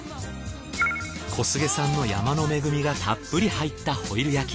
小菅産の山の恵みがたっぷり入ったホイル焼き。